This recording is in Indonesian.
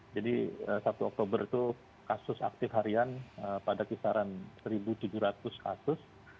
jadi sabtu oktober itu kasus aktif harian pada kisaran satu tujuh ratus kasus